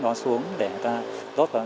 đó xuống để người ta đốt vào